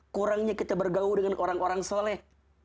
kurangnya kita bergaul dengan orang orang soleh